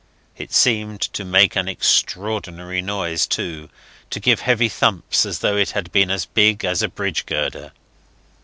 It seemed to make an extraordinary noise, too to give heavy thumps as though it had been as big as a bridge girder.